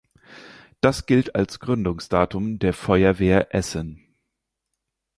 Das gilt als Gründungsdatum der Feuerwehr Essen.